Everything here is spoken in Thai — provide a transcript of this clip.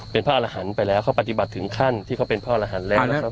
เป็นพระอรหันต์ไปแล้วเขาปฏิบัติถึงขั้นที่เขาเป็นพ่อรหันต์แล้วนะครับ